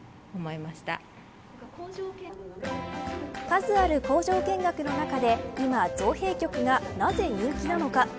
数ある工場見学の中で今、造幣局がなぜ人気なのか。